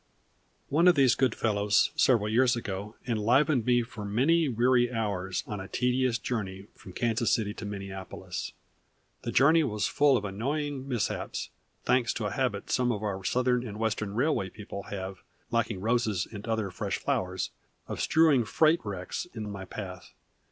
One of these good fellows several years ago enlivened me for many weary hours on a tedious journey from Kansas City to Minneapolis. The journey was full of annoying mishaps, thanks to a habit some of our Southern and Western railway people have, lacking roses and other fresh flowers, of strewing freight wrecks in my path.